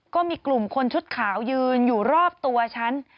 ก็มีกลุ่มคนชุดขาวยืนอยู่รอบตัวฉัน